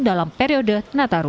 dalam periode nataru